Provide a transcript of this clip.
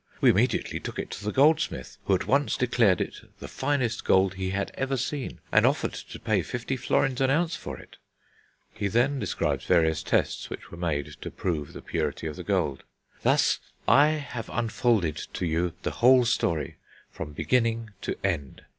We immediately took it to the goldsmith, who at once declared it the finest gold he had ever seen, and offered to pay fifty florins an ounce for it." He then describes various tests which were made to prove the purity of the gold. "Thus I have unfolded to you the whole story from beginning to end.